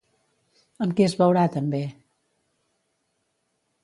Amb qui es veurà, també?